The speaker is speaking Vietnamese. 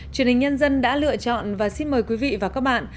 truyền hình nhân dân đã lựa chọn và xin mời quý vị và các bạn